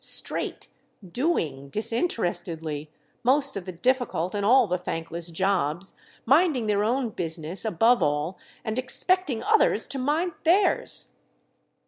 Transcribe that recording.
—straight; doing, disinterestedly, most of the difficult and all the thankless jobs; minding their own business, above all, and expecting others to mind theirs?"